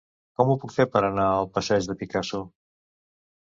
Com ho puc fer per anar al passeig de Picasso?